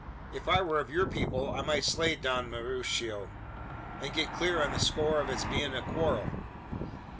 If I were of your people, I might slay Don Mauricio; and get clear on the score of its being a quarrel.